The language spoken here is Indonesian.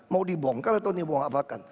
mau dibongkar atau dibongkar apa